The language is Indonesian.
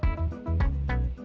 ya ini salah aku